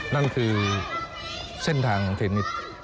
นั่นคือเส้นทางของเทนนิส